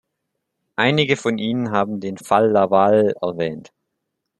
Einige von Ihnen haben den Fall Laval erwähnt.